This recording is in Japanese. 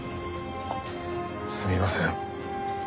すみません。